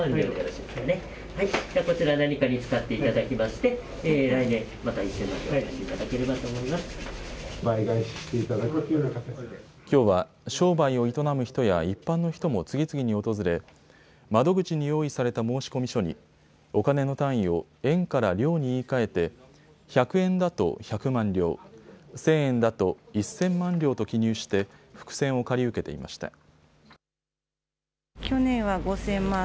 きょうは商売を営む人や一般の人も次々に訪れ窓口に用意された申込書にお金の単位を円から両に言いかえて１００円だと百万両１０００円だと一千万両と記入して福銭を借り受けていました。